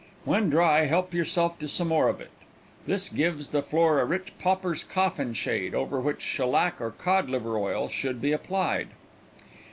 When dry, help yourself to some more of it. This gives the floor a rich pauper's coffin shade, over which shellac or cod liver oil should be applied.